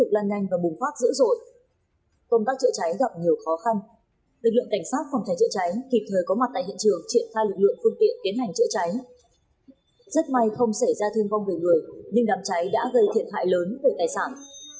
rất may không xảy ra thương vong về người nhưng đám cháy đã gây thiệt hại lớn về tài sản